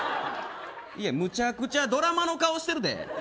むちゃくちゃドラマの顔してるで。